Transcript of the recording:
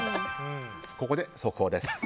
ここで速報です。